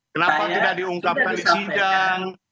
kenapa tidak diungkapkan di sidang